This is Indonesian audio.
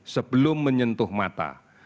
sebelum menyentuh mata